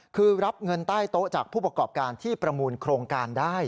คือรับเงินใต้โต๊ะจากผู้ประกอบการที่ประมูลโครงการได้